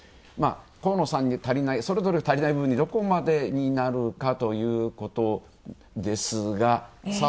河野さんに足りない、それぞれ足りない部分にどこまでになるかということですが。